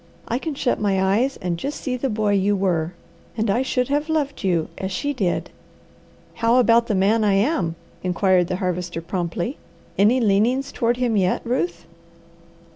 I can shut my eyes and just see the boy you were, and I should have loved you as she did." "How about the man I am?" inquired the Harvester promptly. "Any leanings toward him yet, Ruth?"